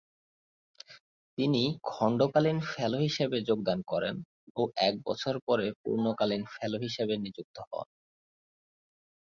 তিনি খণ্ডকালীন ফেলো হিসেবে যোগদান করেন ও এক বছর পরে পূর্ণকালীন ফেলো হিসেবে নিযুক্ত হন।